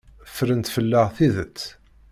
Ffrent fell-aɣ tidet.